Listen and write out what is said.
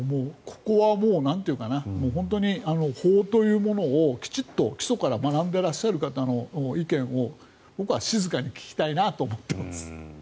ここはもう本当に法というものをきちんと基礎から学んでらっしゃる方の意見を僕は静かに聞きたいなと思っています。